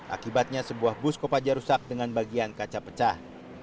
akibatnya sebuah bus kopaja rusak dengan bagian kaca pecah